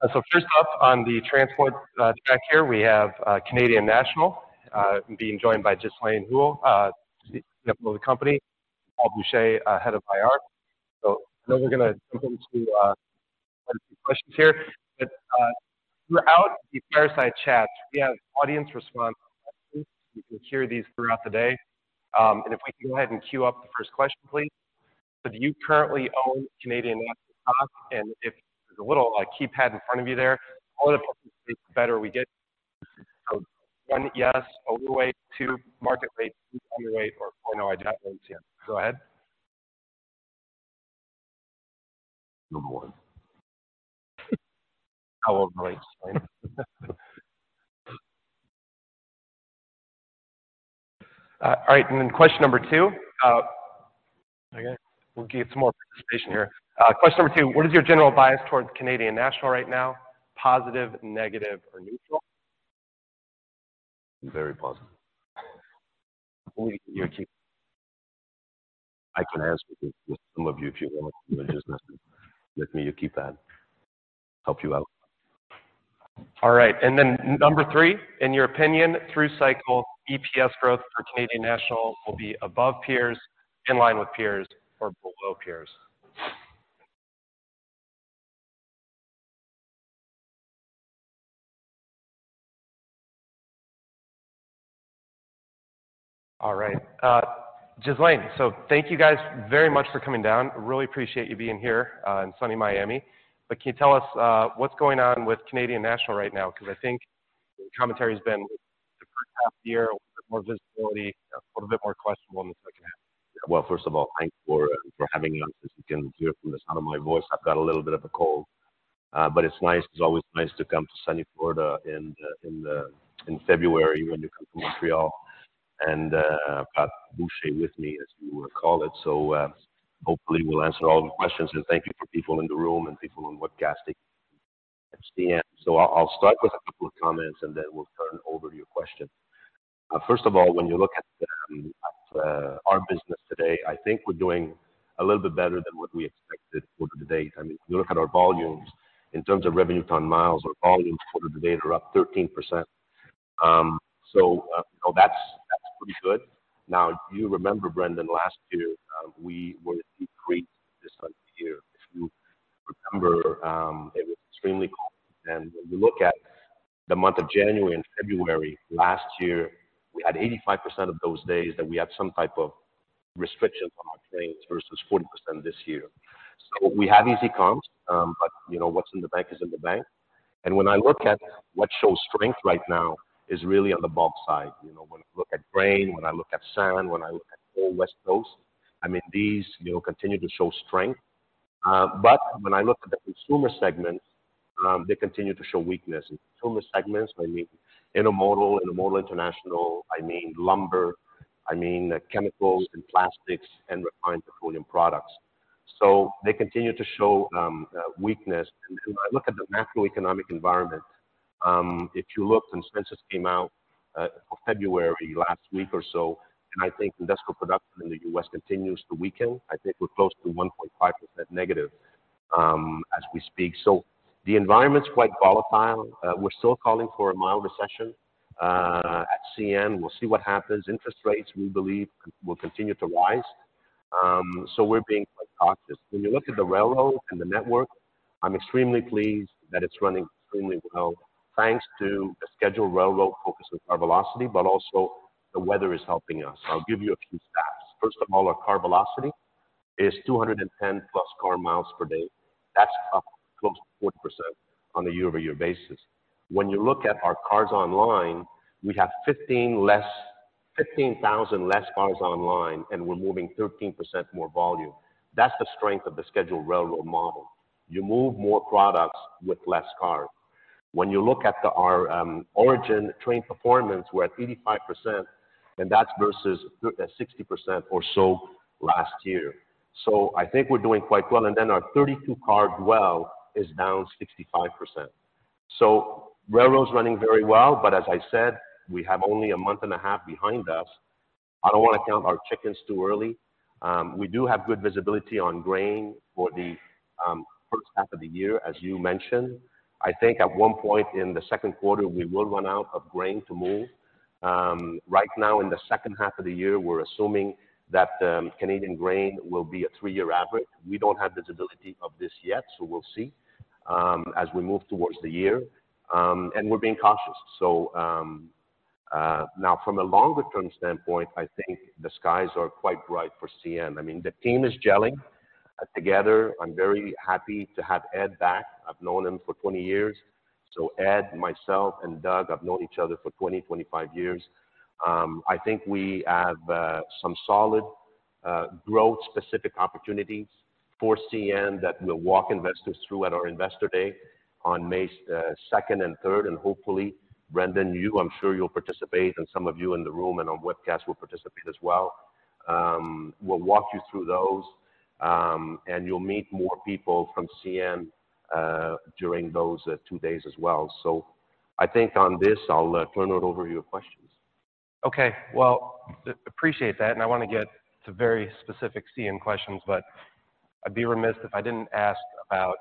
First up on the transport track here, we have Canadian National being joined by Ghislain Houle, CFO of the company. Paul Butcher, head of IR. I know we're going to jump into a few questions here. Throughout the Fireside chats, we have audience response. You can hear these throughout the day. If we can go ahead and queue up the first question, please. Do you currently own Canadian National stock? If there's a little keypad in front of you there. The more input we get, the better we get. One, yes, overweight. Two, market rate. Three, underweight, or four, no, I do not own CN. Go ahead. Number one. How old are you, Ghislain? All right, question number two. We'll get some more participation here. Question number two. What is your general bias towards Canadian National right now? Positive, negative, or neutral? Very positive. I can answer some of you if you want. You can just message me your keypad. Help you out. All right. Number three. In your opinion, through cycle, EPS growth for Canadian National will be above peers, in line with peers, or below peers. All right. Ghislain, thank you guys very much for coming down. Really appreciate you being here in sunny Miami. Can you tell us what's going on with Canadian National right now? 'Cause I think the commentary has been the first half of the year, more visibility, a little bit more questionable than second half. Well, first of all, thanks for having us. As you can hear from the sound of my voice, I've got a little bit of a cold. But it's nice, it's always nice to come to sunny Florida in February when you come from Montreal. Paul Butcher with me, as we were called. Hopefully we'll answer all the questions. Thank you for people in the room and people on webcasting at CN. I'll start with a couple of comments, then we'll turn over to your questions. First of all, when you look at our business today, I think we're doing a little bit better than what we expected quarter to date. I mean, if you look at our volumes in terms of Revenue Ton-Miles, our volumes quarter to date are up 13%. That's, that's pretty good. Now, you remember, Brendan, last year, we were decreased this time of year. If you remember, it was extremely cold. When you look at the month of January and February last year, we had 85% of those days that we had some type of restriction on our trains versus 40% this year. We have easy comps. You know, what's in the bank is in the bank. When I look at what shows strength right now is really on the bulk side. You know, when I look at grain, when I look at sand, when I look at coal West Coast, I mean, these, you know, continue to show strength. When I look at the consumer segments, they continue to show weakness. In consumer segments, I mean, intermodal international, I mean lumber, I mean chemicals and plastics and refined petroleum products. They continue to show weakness. When I look at the macroeconomic environment, if you looked and census came out for February last week or so, and I think industrial production in the U.S. continues to weaken. I think we're close to 1.5% negative as we speak. The environment's quite volatile. We're still calling for a mild recession at CN. We'll see what happens. Interest rates, we believe, will continue to rise. We're being quite cautious. When you look at the railroad and the network, I'm extremely pleased that it's running extremely well, thanks to a scheduled railroad focus with car velocity, but also the weather is helping us. I'll give you a few stats. First of all, our car velocity is 210+ car miles per day. That's up close to 4% on a year-over-year basis. When you look at our cars online, we have 15,000 less cars online, and we're moving 13% more volume. That's the strength of the scheduled railroad model. You move more products with less cars. When you look at our origin train performance, we're at 85%, and that's versus 60% or so last year. I think we're doing quite well. Our 32 car dwell is down 65%. Railroad's running very well. As I said, we have only a month and 1/2 behind us. I don't want to count our chickens too early. We do have good visibility on grain for the first half of the year, as you mentioned. I think at one point in the second quarter, we will run out of grain to move. Right now in the second half of the year, we're assuming that Canadian grain will be a three-year average. We don't have visibility of this yet, so we'll see as we move towards the year. We're being cautious. Now from a longer term standpoint, I think the skies are quite bright for CN. I mean, the team is gelling together. I'm very happy to have Ed back. I've known him for 20 years. Ed, myself and Doug have known each other for 20, 25 years. I think we have some solid growth specific opportunities for CN that we'll walk investors through at our Investor Day on May second and third. Hopefully, Brendan, I'm sure you'll participate, and some of you in the room and on webcast will participate as well. We'll walk you through those, and you'll meet more people from CN during those two days as well. I think on this, I'll turn it over to your questions. Okay. Well, appreciate that. I wanna get to very specific CN questions, but I'd be remiss if I didn't ask about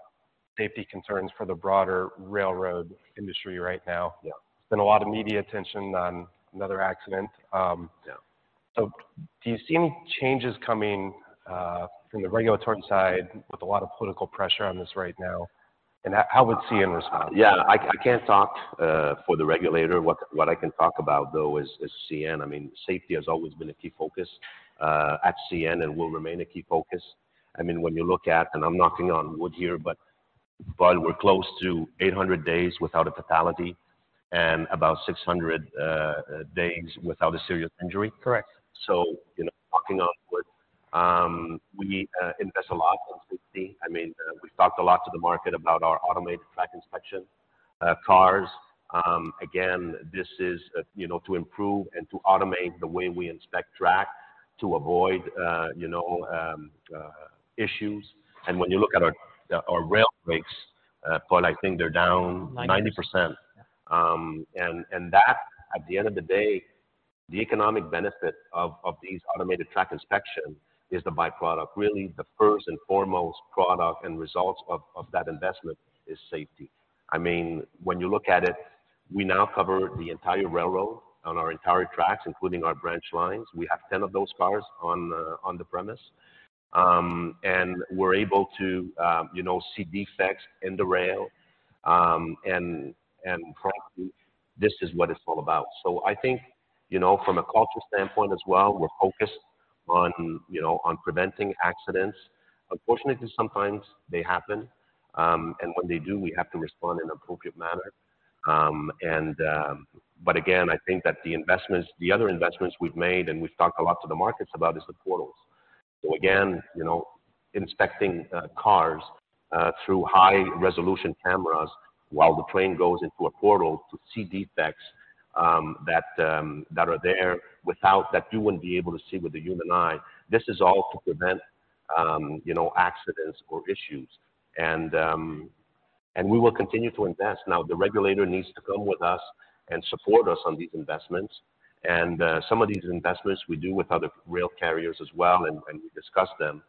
safety concerns for the broader railroad industry right now. Yeah. There's been a lot of media attention on another accident. Yeah. Do you see any changes coming from the regulatory side with a lot of political pressure on this right now? How would CN respond? Yeah. I can't talk for the regulator. What I can talk about though is CN. I mean, safety has always been a key focus at CN and will remain a key focus. I mean, when you look at, and I'm knocking on wood here, but we're close to 800 days without a fatality and about 600 days without a serious injury. Correct. You know, knocking on wood, we invest a lot in safety. I mean, we've talked a lot to the market about our Automated Track Inspection, cars. Again, this is, you know, to improve and to automate the way we inspect track to avoid, you know, issues. When you look at our rail breaks, Paul, I think they're down- 90%. 90%. That at the end of the day, the economic benefit of these Automated Track Inspection is the byproduct. Really, the first and foremost product and results of that investment is safety. I mean, when you look at it, we now cover the entire railroad on our entire tracks, including our branch lines. We have 10 of those cars on the premise. We're able to, you know, see defects in the rail. For us, this is what it's all about. So I think, you know, from a culture standpoint as well, we're focused on, you know, preventing accidents. Unfortunately, sometimes they happen. When they do, we have to respond in an appropriate manner. Again, I think that the investments, the other investments we've made, and we've talked a lot to the markets about, is the portals. Again, you know, inspecting cars through high resolution cameras while the train goes into a portal to see defects that are there without that you wouldn't be able to see with the human eye. This is all to prevent, you know, accidents or issues. We will continue to invest. Now, the regulator needs to come with us and support us on these investments. Some of these investments we do with other rail carriers as well, and we discuss them.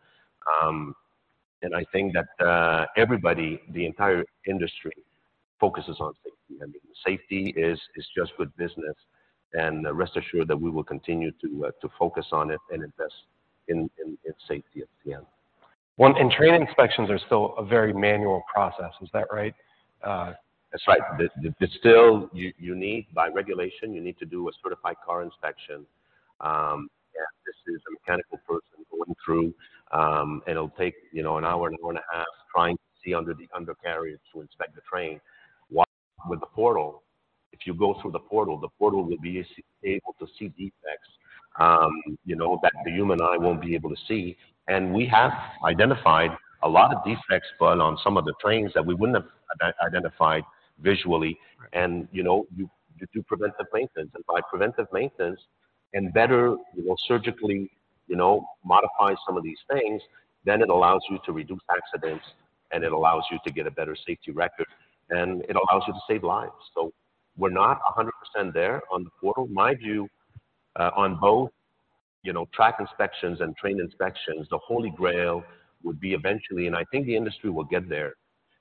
I think that, everybody, the entire industry focuses on safety. I mean, safety is just good business. Rest assured that we will continue to focus on it and invest in safety at CN. Well, train inspections are still a very manual process, is that right? That's right. Still you need by regulation, you need to do a certified car inspector. This is a mechanical person going through, and it'll take, you know, an hour and a half trying to see under the undercarriage to inspect the train. With the portal, if you go through the portal, the portal will be able to see defects, you know, that the human eye won't be able to see. We have identified a lot of defects, Paul, on some of the trains that we wouldn't have identified visually. Right. You know, you do preventive maintenance. By preventive maintenance and better, you know, surgically, you know, modify some of these things, then it allows you to reduce accidents, and it allows you to get a better safety record, and it allows you to save lives. We're not 100% there on the portal. My view, on both, you know, track inspections and train inspections, the holy grail would be eventually, and I think the industry will get there,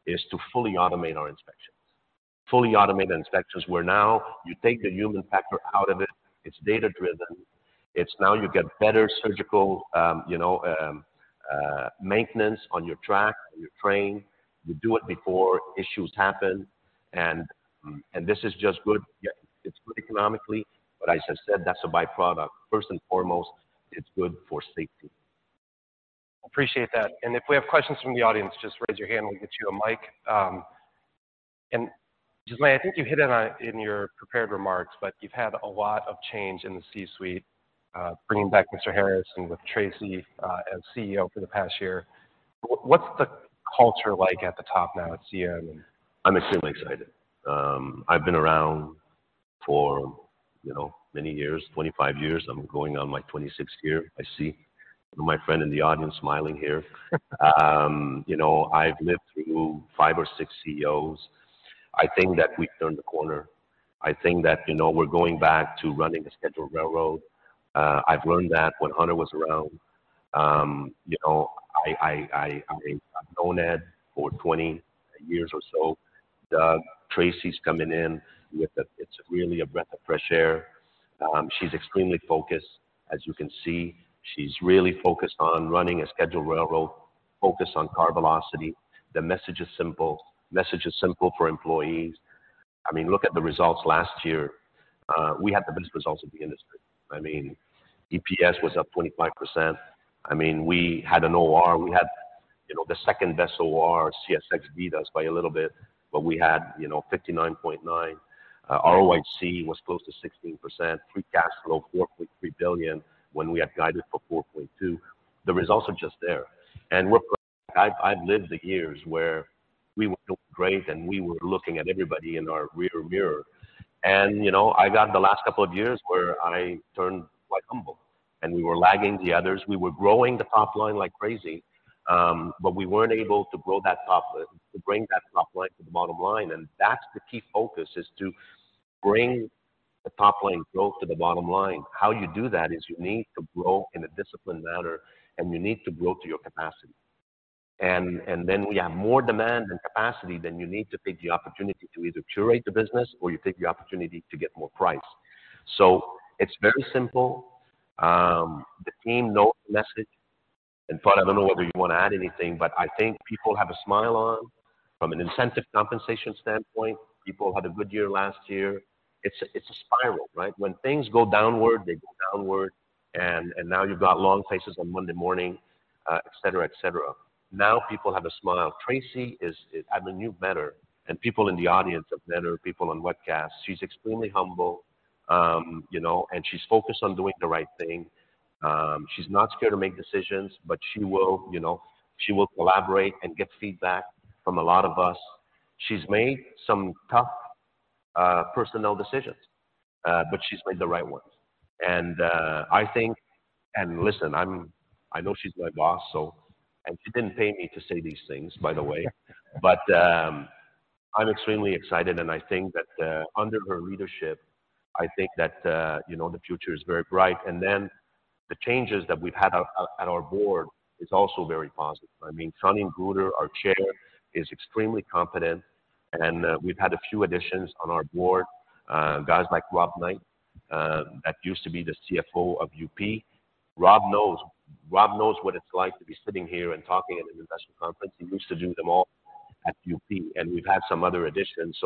is to fully automate our inspections. Fully automate the inspections, where now you take the human factor out of it's data-driven. It's now you get better surgical, you know, maintenance on your track, on your train. You do it before issues happen. This is just good. It's good economically, but as I said, that's a byproduct. First and foremost, it's good for safety. Appreciate that. If we have questions from the audience, just raise your hand. We'll get you a mic. Ghislain, I think you hit on it in your prepared remarks, but you've had a lot of change in the C-suite, bringing back Mr. Harrison with Tracy, as CEO for the past year. What's the culture like at the top now at CN and- I'm extremely excited. I've been around for, you know, many years, 25 years. I'm going on my 26th year. I see my friend in the audience smiling here. You know, I've lived through five or six CEOs. I think that we've turned the corner. I think that, you know, we're going back to running a Scheduled Railroad. I've learned that when Hunter was around. You know, I've known Ed for 20 years or so. Tracy's coming in with a breath of fresh air. She's extremely focused, as you can see. She's really focused on running a Scheduled Railroad, focused on car velocity. The message is simple. Message is simple for employees. I mean, look at the results last year. We had the best results in the industry. I mean, EPS was up 25%. I mean, we had an OR. We had, you know, the second best OR. CSX beat us by a little bit, but we had, you know, 59.9. ROIC was close to 16%. Free cash flow, 4.3 billion when we had guided for 4.2 billion. The results are just there. I've lived the years where we were doing great, and we were looking at everybody in our rear mirror. You know, I got the last couple of years where I turned quite humble. We were lagging the others. We were growing the top line like crazy, but we weren't able to bring that top line to the bottom line. That's the key focus, is to bring the top line growth to the bottom line. How you do that is you need to grow in a disciplined manner, and you need to grow to your capacity. Then we have more demand and capacity than you need to take the opportunity to either curate the business or you take the opportunity to get more price. It's very simple. The team knows the message. Paul, I don't know whether you want to add anything, but I think people have a smile on from an incentive compensation standpoint. People had a good year last year. It's a spiral, right? When things go downward, they go downward. Now you've got long faces on Monday morning, etc, etc. Now people have a smile. Tracy. I mean, you better, and people in the audience have better, people on webcast. She's extremely humble, you know, she's focused on doing the right thing. She's not scared to make decisions, but she will, you know, she will collaborate and get feedback from a lot of us. She's made some tough personnel decisions, but she's made the right ones. I think. Listen, I know she's my boss, so she didn't pay me to say these things, by the way. I'm extremely excited, and I think that under her leadership, I think that, you know, the future is very bright. The changes that we've had at our board is also very positive. I mean, Shauneen Bruder, our chair, is extremely competent, and we've had a few additions on our board, guys like Rob Knight that used to be the CFO of UP. Rob knows what it's like to be sitting here and talking at an investment conference. He used to do them all at UP. We've had some other additions.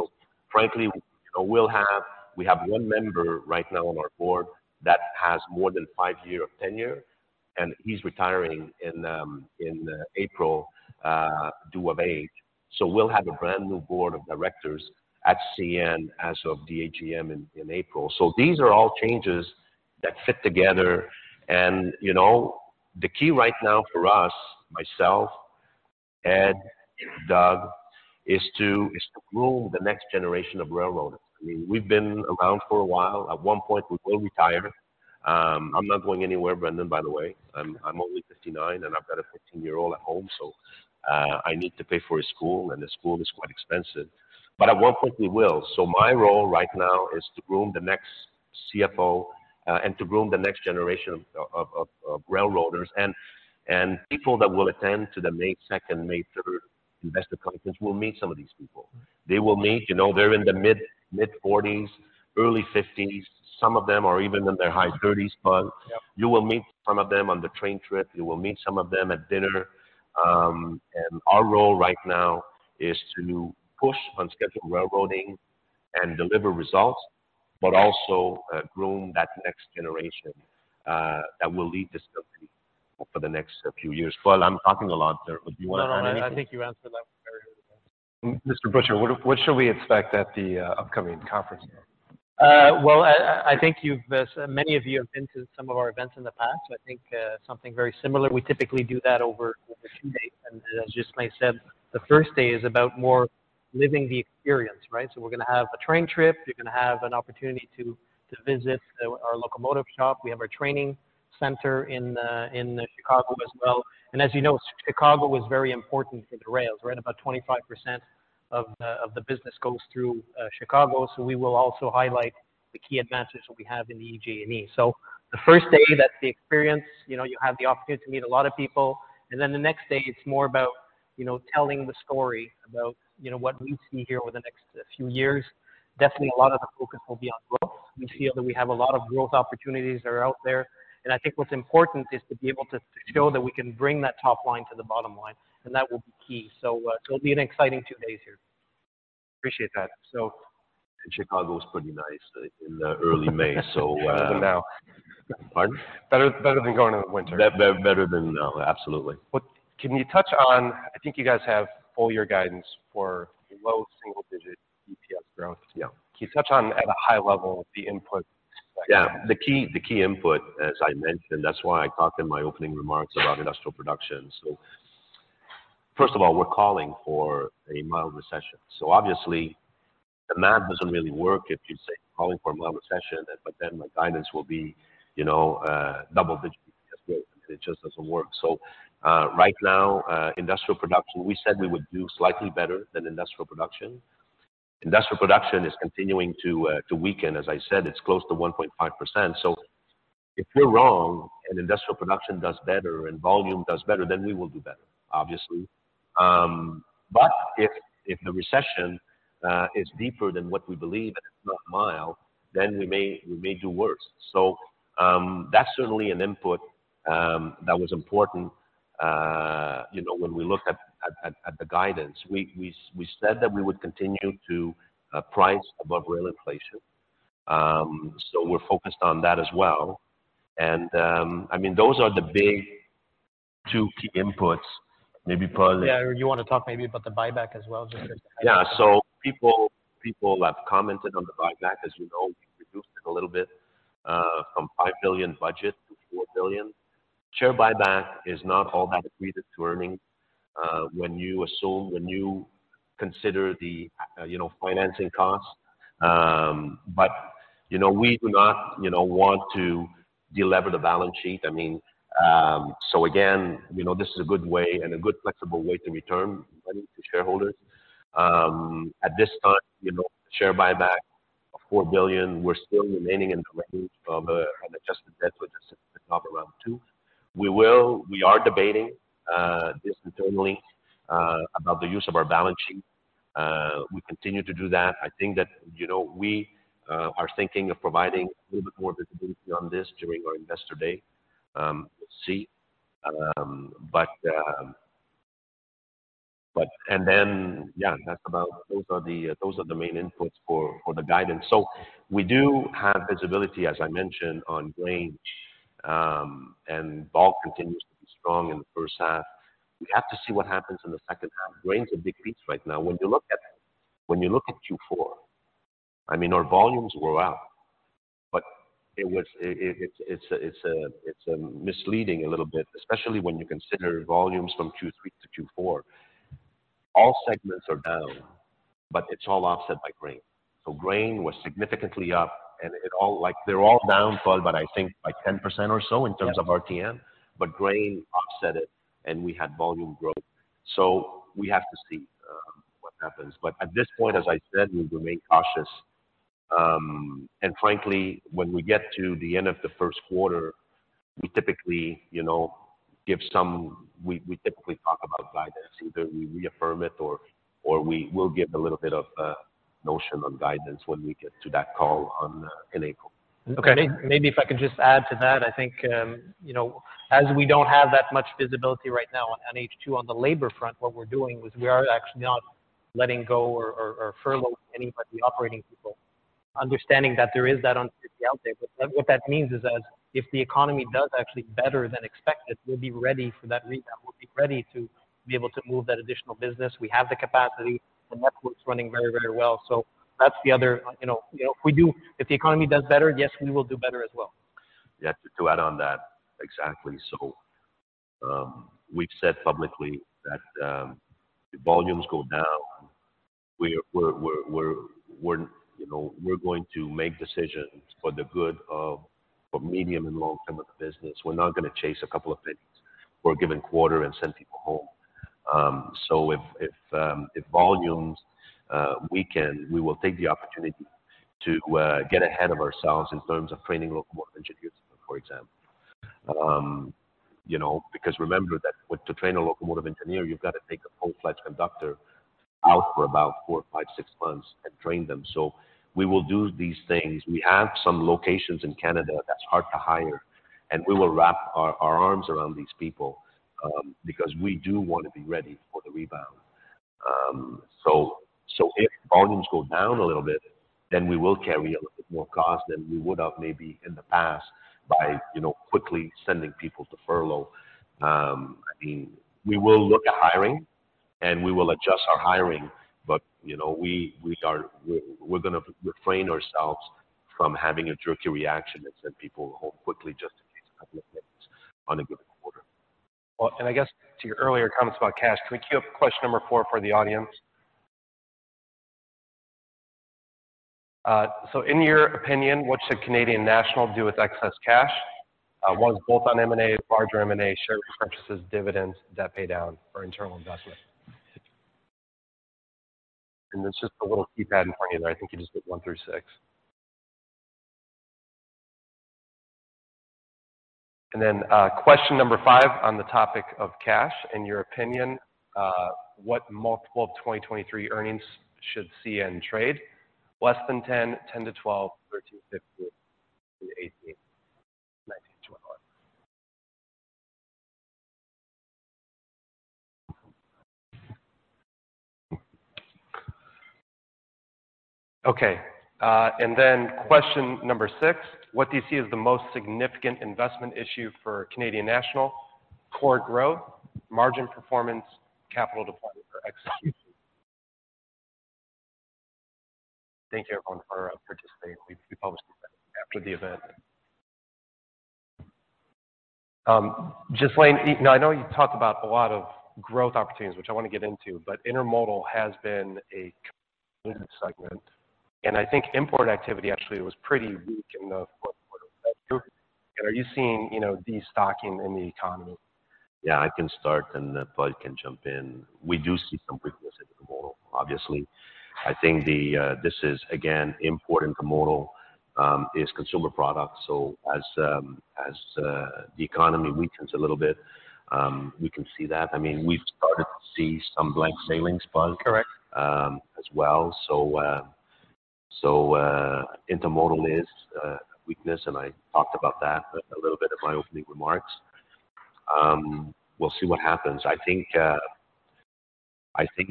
Frankly, you know, we have one member right now on our board that has more than five year of tenure, and he's retiring in April due of age. We'll have a brand new board of directors at CN as of the AGM in April. These are all changes that fit together. You know, the key right now for us, myself, Ed, Doug, is to, is to groom the next generation of railroaders. I mean, we've been around for a while. At one point we will retire. I'm not going anywhere, Brendan, by the way. I'm only 59 and I've got a 15-year-old at home, so, I need to pay for his school, and the school is quite expensive. At one point we will. My role right now is to groom the next CFO, and to groom the next generation of railroaders. People that will attend to the May 2nd, May 3rd Investor Day will meet some of these people. They will meet, you know, they're in their mid-40s, early 50s. Some of them are even in their high 30s. You will meet some of them on the train trip. You will meet some of them at dinner. Our role right now is to push on scheduled railroading and deliver results, but also, groom that next generation that will lead this company for the next few years. Paul, I'm talking a lot. Do you want to add anything? No, I think you answered that very well. Mr. Boucher, what should we expect at the upcoming conference? Well, I think you've, as many of you have been to some of our events in the past, I think, something very similar. We typically do that over two days. As Ghislain said, the first day is about more living the experience, right? We're gonna have a train trip. You're gonna have an opportunity to visit our locomotive shop. We have our training center in Chicago as well. As you know, Chicago is very important for the rails. Right, about 25% of the business goes through Chicago. We will also highlight the key advantages that we have in the EG and E. The first day that the experience, you know, you have the opportunity to meet a lot of people. The next day it's more about, you know, telling the story about, you know, what we see here over the next few years. Definitely a lot of the focus will be on growth. We feel that we have a lot of growth opportunities that are out there. I think what's important is to be able to show that we can bring that top line to the bottom line, and that will be key. It'll be an exciting two days here. Appreciate that. Chicago is pretty nice in early May. Better than now. Pardon? Better than going in the winter. Better than now. Absolutely. Can you touch on, I think you guys have full year guidance for low single digit EPS growth? Yeah. Can you touch on at a high level the input side? Yeah. The key input, as I mentioned, that's why I talked in my opening remarks about Industrial Production. First of all, we're calling for a mild recession. Obviously the math doesn't really work if you say calling for a mild recession, but then my guidance will be, you know, double-digit EPS growth, and it just doesn't work. Right now, Industrial Production, we said we would do slightly better than Industrial Production. Industrial Production is continuing to weaken. As I said, it's close to 1.5%. If we're wrong and Industrial Production does better and volume does better, then we will do better, obviously. If the recession is deeper than what we believe and it's not mild, then we may do worse. That's certainly an input, that was important, you know, when we look at the guidance. We said that we would continue to price above rail inflation. We're focused on that as well. I mean, those are the big two key inputs. Maybe Paul- Yeah. You want to talk maybe about the buyback as well? Yeah. People have commented on the buyback. As you know, we reduced it a little bit from 5 billion budget to 4 billion. Share buyback is not all that accretive to earnings when you consider the, you know, financing costs. You know, we do not, you know, want to delever the balance sheet. I mean, again, you know, this is a good way and a good flexible way to return money to shareholders. At this time, you know, share buyback of 4 billion, we're still remaining in the range of an Adjusted Debt to Okay. We are debating this internally about the use of our balance sheet. We continue to do that. I think that, you know, we are thinking of providing a little bit more visibility on this during our Investor Day. We'll see. Yeah, those are the main inputs for the guidance. We do have visibility, as I mentioned, on grain, and bulk continues to be strong in the first half. We have to see what happens in the second half. Grains a big beast right now. When you look at Q4, I mean, our volumes were up, but it's a misleading a little bit, especially when you consider volumes from Q3 to Q4. All segments are down, but it's all offset by grain. Grain was significantly up and like they're all down Bud, but I think by 10% or so in terms of RTM. Grain offset it and we had volume growth. We have to see what happens. At this point, as I said, we remain cautious. Frankly, when we get to the end of the first quarter, we typically, you know, we typically talk about guidance. Either we reaffirm it or we'll give a little bit of a notion on guidance when we get to that call on in April. Okay. Maybe if I could just add to that. I think, you know, as we don't have that much visibility right now on H2 on the labor front, what we're doing is we are actually not letting go or furloughing anybody, operating people. Understanding that there is that uncertainty out there. What that means is that if the economy does actually better than expected, we'll be ready for that rebound. We'll be ready to be able to move that additional business. We have the capacity. The network's running very, very well. That's the other. You know, if the economy does better, yes, we will do better as well. Yeah. To add on that. Exactly. We've said publicly that, if volumes go down, we're, you know, we're going to make decisions for the good of, for medium and long term of the business. We're not gonna chase a couple of pennies for a given quarter and send people home. If volumes weaken, we will take the opportunity to get ahead of ourselves in terms of training locomotive engineers, for example. You know, because remember that to train a locomotive engineer, you've got to take a full-fledged conductor out for about four, five, six months and train them. We will do these things. We have some locations in Canada that's hard to hire. We will wrap our arms around these people because we do want to be ready for the rebound. If volumes go down a little bit, then we will carry a little bit more cost than we would have maybe in the past by, you know, quickly sending people to furlough. I mean, we will look at hiring and we will adjust our hiring. You know, we are We're gonna refrain ourselves from having a jerky reaction that send people home quickly just in case a couple of pennies on a given quarter. I guess to your earlier comments about cash, can we queue up question number four for the audience? In your opinion, what should Canadian National do with excess cash? One is both on M&A, larger M&A, share repurchases, dividends, debt pay down or internal investment. It's just a little keypad in front of you there. I think you just hit one through six. Question number five on the topic of cash. In your opinion, what multiple of 2023 earnings should CN trade? Less than 10-12, 13-15, 15-18, 19-21. Okay. Question number six. What do you see as the most significant investment issue for Canadian National? Core growth, margin performance, capital deployment or execution. Thank you everyone for participating. We publish these after the event. Ghislain, now I know you talked about a lot of growth opportunities, which I wanna get into. Intermodal has been a segment and I think import activity actually was pretty weak in the fourth quarter. Was that true? Are you seeing, you know, destocking in the economy? Yeah, I can start, then Bud can jump in. We do see some weakness in intermodal, obviously. I think the, this is again, import intermodal is consumer products. As, as the economy weakens a little bit, we can see that. I mean, we've started to see some blank sailings, Bud. Correct. As well. Intermodal is a weakness, and I talked about that a little bit in my opening remarks. We'll see what happens. I think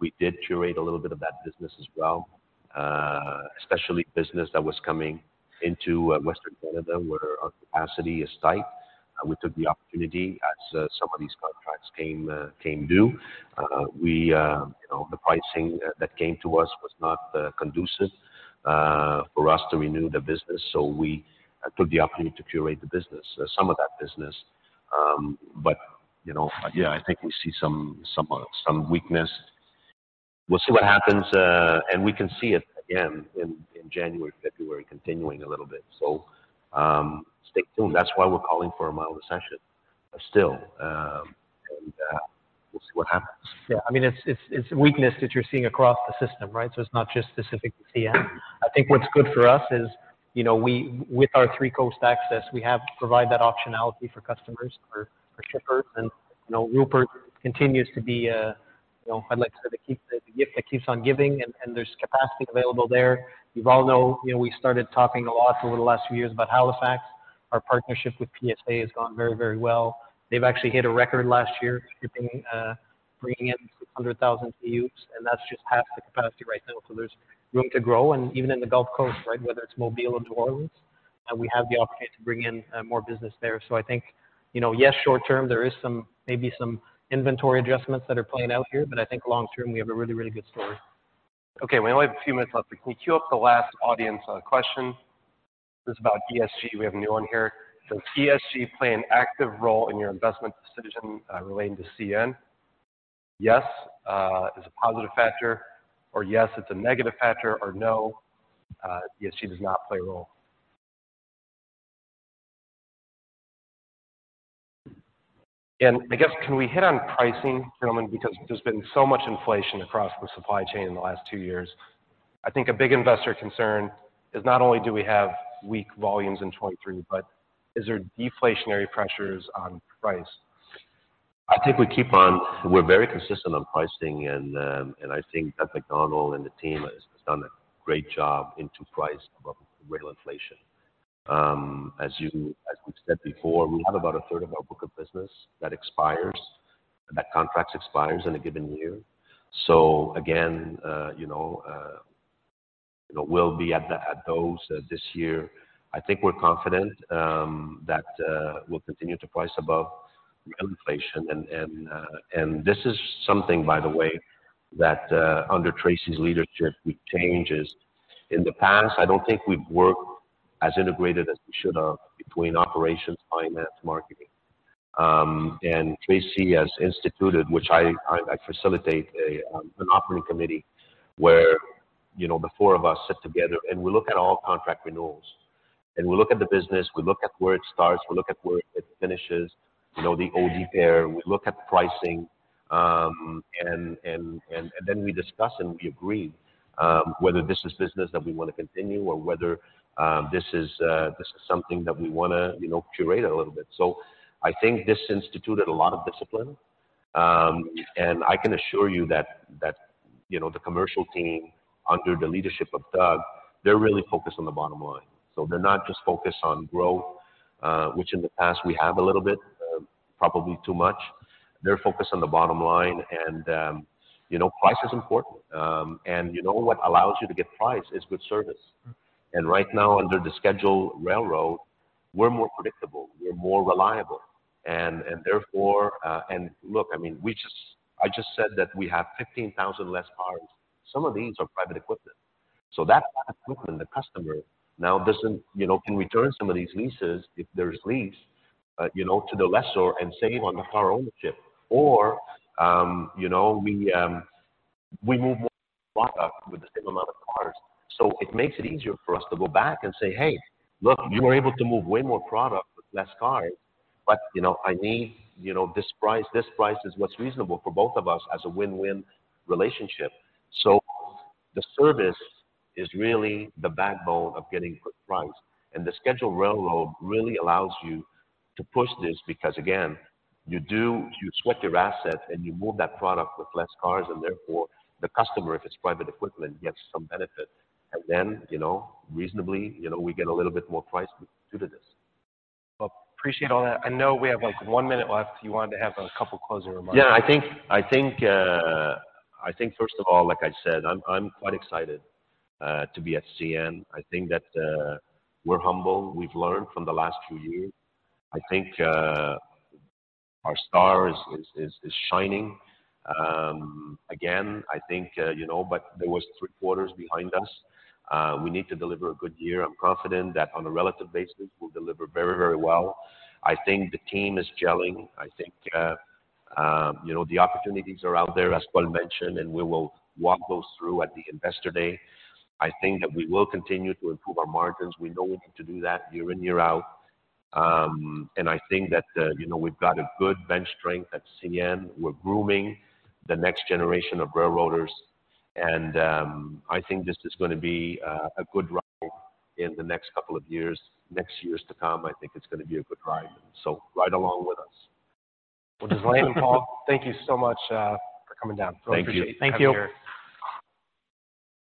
we did curate a little bit of that business as well, especially business that was coming into Western Canada where our capacity is tight. We took the opportunity as some of these contracts came due. We, you know, the pricing that came to us was not conducive for us to renew the business, so we took the opportunity to curate the business, some of that business. You know, yeah, I think we see some weakness. We'll see what happens, and we can see it again in January, February continuing a little bit. Stay tuned. That's why we're calling for a mild recession still, and, we'll see what happens. Yeah, I mean, it's weakness that you're seeing across the system, right? It's not just specific to CN. I think what's good for us is, you know, with our three-coast access, we have to provide that optionality for customers, for shippers. You know, Rupert continues to be, you know, I'd like to say the gift that keeps on giving, and there's capacity available there. You all know, you know, we started talking a lot over the last few years about Halifax. Our partnership with PSA has gone very well. They've actually hit a record last year, shipping, bringing in 600,000 CUs, and that's just half the capacity right now. There's room to grow. Even in the Gulf Coast, right? Whether it's Mobile or New Orleans, we have the opportunity to bring in more business there. I think, you know, yes, short term, there is some, maybe some inventory adjustments that are playing out here, but I think long term we have a really, really good story. Okay, we only have a few minutes left. Can we queue up the last audience question? This is about ESG. We have a new one here. Does ESG play an active role in your investment decision relating to CN? Yes, is a positive factor, or yes, it's a negative factor, or no, ESG does not play a role. I guess, can we hit on pricing, gentlemen? Because there's been so much inflation across the supply chain in the last two years. I think a big investor concern is not only do we have weak volumes in 2023, but is there deflationary pressures on price? I think we're very consistent on pricing and I think Patrick Whitehead and the team has done a great job into price above rail inflation. As we've said before, we have about 1/3 of our book of business that expires, that contracts expires in a given year. Again, you know, we'll be at those this year. I think we're confident that we'll continue to price above rail inflation. This is something, by the way, that under Tracy's leadership, we've changed. In the past, I don't think we've worked as integrated as we should have between operations, finance, marketing. Tracy has instituted, which I facilitate an operating committee where, you know, the four of us sit together and we look at all contract renewals, and we look at the business, we look at where it starts, we look at where it finishes, you know, the OD pair. We look at pricing. Then we discuss and we agree whether this is business that we want to continue or whether this is something that we wanna, you know, curate a little bit. I think this instituted a lot of discipline. I can assure you that, you know, the commercial team under the leadership of Doug, they're really focused on the bottom line. They're not just focused on growth, which in the past we have a little bit, probably too much. They're focused on the bottom line and, you know, price is important. You know what allows you to get price is good service. Right now under the Scheduled Railroad, we're more predictable, we're more reliable. Therefore, and look, I mean, I just said that we have 15,000 less cars. Some of these are private equipment. That equipment, the customer now, you know, can return some of these leases if there's lease, you know, to the lessor and save on the car ownership. You know, we move more product with the same amount of cars. It makes it easier for us to go back and say, "Hey, look, you were able to move way more product with less cars, but, you know, I need, you know, this price. This price is what's reasonable for both of us as a win-win relationship. The service is really the backbone of getting good price. The Scheduled Railroad really allows you to push this because again, you sweat your asset and you move that product with less cars and therefore the customer, if it's private equipment, gets some benefit. Then, you know, reasonably, you know, we get a little bit more price due to this. Well, appreciate all that. I know we have like 1 minute left. You wanted to have a couple closing remarks. Yeah. I think first of all, like I said, I'm quite excited to be at CN. I think that we're humble. We've learned from the last few years. I think our star is shining again, I think, you know, there was three quarters behind us. We need to deliver a good year. I'm confident that on a relative basis, we'll deliver very, very well. I think the team is gelling. I think, you know, the opportunities are out there, as Paul mentioned, and we will walk those through at the Investor Day. I think that we will continue to improve our margins. We know we need to do that year in, year out. I think that, you know, we've got a good bench strength at CN. We're grooming the next generation of railroaders, and I think this is gonna be a good ride in the next couple of years, next years to come. I think it's gonna be a good ride. Ride along with us. We'll just leave it, Paul. Thank you so much for coming down. Thank you. Really appreciate you coming here. Thank you.